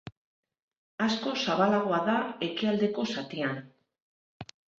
Askoz zabalagoa da ekialdeko zatian.